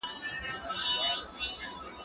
زه به کاغذ ترتيب کړي وي!.